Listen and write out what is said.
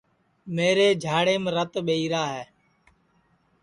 میرے جھاڑیم رت ٻہی را ہے